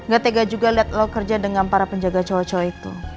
gak tega juga lihat lo kerja dengan para penjaga cowok cowok itu